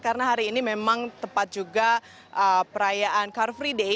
karena hari ini memang tepat juga perayaan car free day